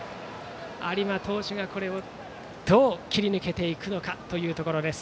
有馬投手がどう切り抜けていくかというところです。